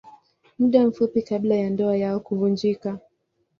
Muda mfupi kabla ya ndoa yao kuvunjika.